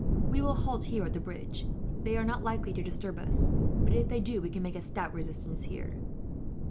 We will halt here at the bridge. They are not likely to disturb us, but if they do, we can make a stout resistance here.